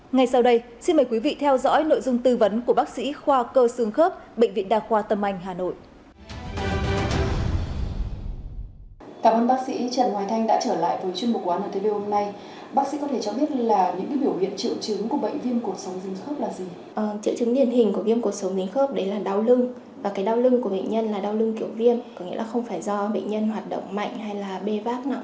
ngay sau đây xin mời quý vị theo dõi nội dung tư vấn của bác sĩ khoa cơ sương khớp bệnh viện đa khoa tâm anh hà nội